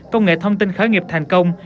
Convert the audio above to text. công nghệ thông tin khởi nghiệp thành công